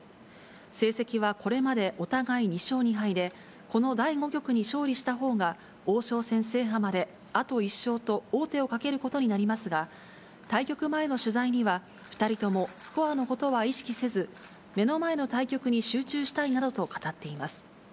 成績はこれまでお互い２勝２敗で、この第５局に勝利したほうが王将戦制覇まであと１勝と、王手をかけることになりますが、対局前の取材には、２人ともスコアのことは意識せず、目の前の対局に集中したいなどと語っています。